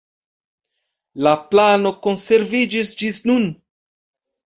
La plano konserviĝis ĝis nun.